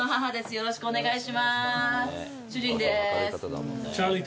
よろしくお願いします。